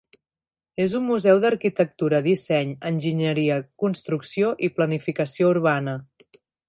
És un museu de arquitectura, disseny, enginyeria, construcció i planificació urbana.